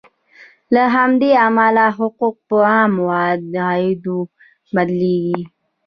له همدې امله حقوق په عامو قاعدو بدلیږي.